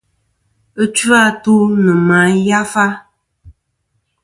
Ɨchu-atu nɨ̀ màyafa.